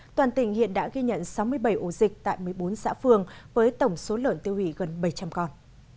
toàn tỉnh hiện đã ghi nhận sáu mươi bảy ổ dịch tại một mươi bốn xã phường với tổng số lợn tiêu hủy gần bảy trăm linh con